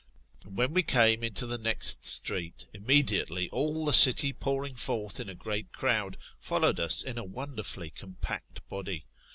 And when we came into the next street, immediately all the city pouring forth in a great crowd, followed us in a wonderfully compact body.